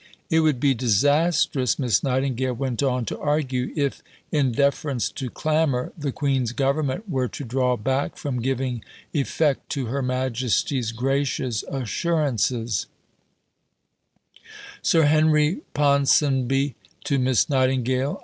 It would be disastrous, Miss Nightingale went on to argue, if, in deference to clamour, the Queen's Government were to draw back from giving effect to Her Majesty's gracious assurances: (_Sir Henry Ponsonby to Miss Nightingale.